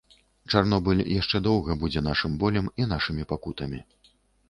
Чарнобыль яшчэ доўга будзе нашым болем і нашымі пакутамі.